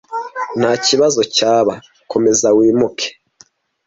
Ntakibazo cyaba, komeza wimuke.